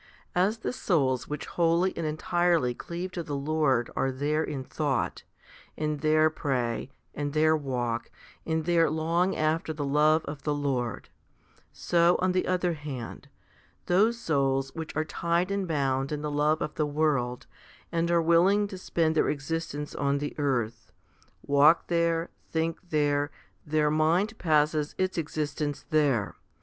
As the souls which wholly and entirely cleave to the Lord are there in thought, and there pray, and there walk, and there long after the love of the Lord, so, on the other hand, those souls which are tied and bound in the love of the world, and are willing to spend their existence on the earth, walk there, think there, their mind passes its existence there.